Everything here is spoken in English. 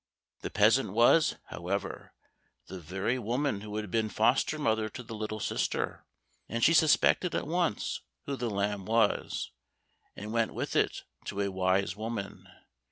The peasant was, however, the very woman who had been foster mother to the little sister, and she suspected at once who the lamb was, and went with it to a wise woman.